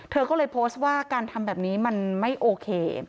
เธอก็เลยโพสต์ว่าการทำแบบนี้มันไม่โอเค